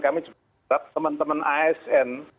kami juga teman teman asn